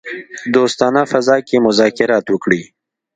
دوستانه فضا کې مذاکرات وکړي.